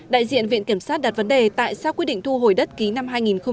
đại diện viện kiểm sát đặt vấn đề tại sao quyết định thu hồi đất ký năm hai nghìn một mươi chín